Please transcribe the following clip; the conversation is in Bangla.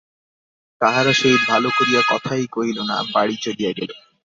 কাহারো সহিত ভালো করিয়া কথাই কহিল না, বাড়ি চলিয়া গেল।